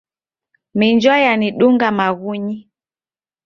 Minjwa yanidunga maghunyi.